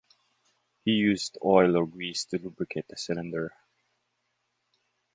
He used oil or grease to lubricate the cylinder.